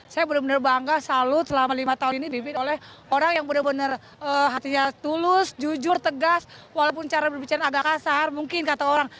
saya benar benar bangga salut selama lima tahun ini dibikin oleh orang yang benar benar hatinya tulus jujur tegas walaupun cara berbicara agak kasar mungkin kata orang